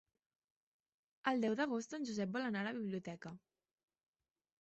El deu d'agost en Josep vol anar a la biblioteca.